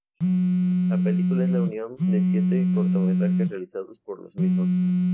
La película es la unión de siete cortometrajes realizados por los mismos.